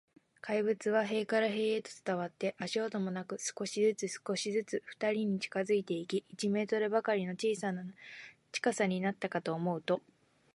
怪物は塀から塀へと伝わって、足音もなく、少しずつ、少しずつ、ふたりに近づいていき、一メートルばかりの近さになったかと思うと、